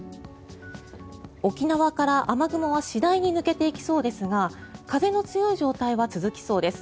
沖縄から雨雲は次第に抜けていきそうですが風の強い状態は続きそうです。